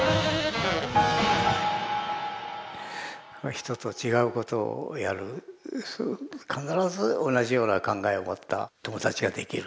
人と違うことをやる必ず同じような考えを持った友達ができる。